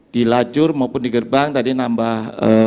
di lajur maupun digerbang tadi nambah